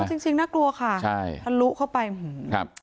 เออจริงจริงน่ากลัวค่ะใช่ถ้ารู้เข้าไปหือครับ